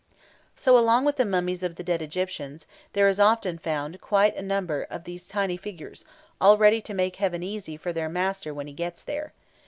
So, along with the mummies of the dead Egyptians, there is often found quite a number of these tiny figures, all ready to make heaven easy for their master when he gets there.